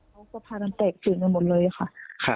เขาก็พากันแตกตื่นกันหมดเลยค่ะ